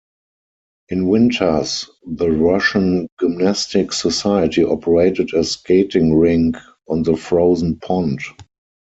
In winters, the Russian Gymnastic Society operated a skating rink on the frozen pond.